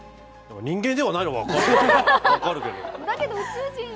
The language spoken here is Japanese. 人間ではないのは分かるけど。